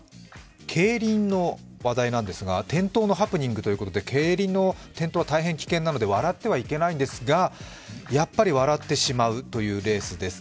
競輪の話題なんですが、転倒のハプニングということで競輪の転倒は大変危険なので、笑ってはいけないのですが、やっぱり笑ってしまうというレースです。